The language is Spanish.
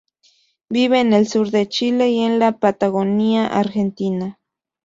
Vive en el sur de Chile y en la Patagonia Argentina.